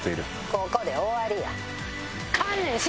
ここで終わりや。